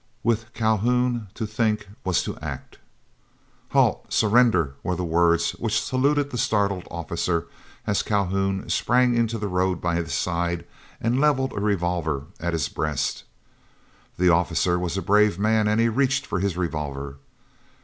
With Calhoun to think was to act. "Halt! Surrender!" were the words which saluted the startled officer, as Calhoun sprang into the road by his side, and levelled a revolver at his breast. The officer was a brave man, and he reached for his revolver.